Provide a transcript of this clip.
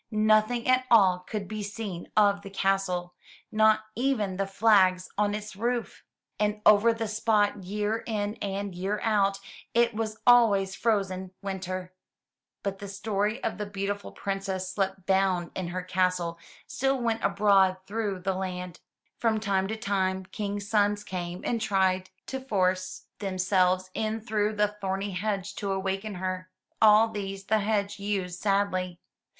Nothing at all could be seen of the castle, not even the flags on its roof. And over the spot, year in and year out, it was always frozen winter. But the story of the beautiful Princess, sleep bound in her castle, still went abroad through the land. From time to time, King's sons came and tried to force them THROUGH FAIRY HALLS selves in through the thorny hedge to awaken her. All these the hedge used sadly.